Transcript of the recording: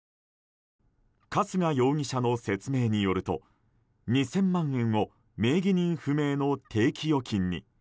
春日容疑者の説明によると２０００万円を名義人不明の定期預金に。